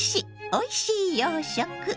おいしい洋食」。